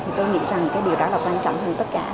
thì tôi nghĩ rằng cái điều đó là quan trọng hơn tất cả